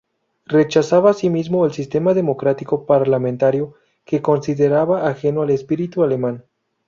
Rechazaba asimismo el sistema democrático parlamentario, que consideraba ajeno al espíritu alemán.